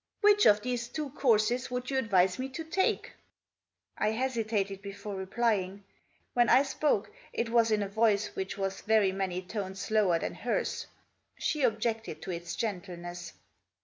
Which of these two courses would you advise me to take ?" I hesitated before replying. When I spoke it was in a voice which was very many tones lower than hers. She objected to its gentleness.